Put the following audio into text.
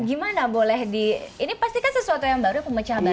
gimana boleh di ini pasti kan sesuatu yang baru pemecah batu